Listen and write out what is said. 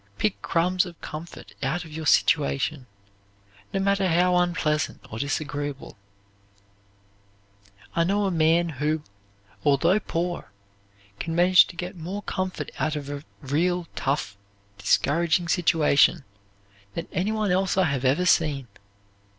Pick crumbs of comfort out of your situation, no matter how unpleasant or disagreeable. I know a man who, although poor, can manage to get more comfort out of a real tough, discouraging situation than any one else I have ever seen.